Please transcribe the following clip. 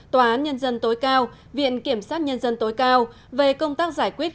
tòa án nhân dân tối cao viện kiểm sát nhân dân tối cao về công tác giải quyết